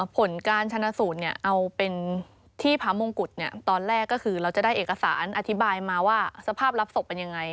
ผลการชนะสูตรเอาเป็นที่พระมงกุฎตอนแรกก็คือเราจะได้เอกสารอธิบายมาว่าสภาพรับศพเป็นยังไง